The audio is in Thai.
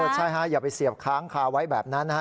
ใช่ฮะอย่าไปเสียบค้างคาไว้แบบนั้นนะฮะ